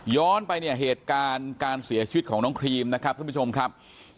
ไปเนี่ยเหตุการณ์การเสียชีวิตของน้องครีมนะครับท่านผู้ชมครับ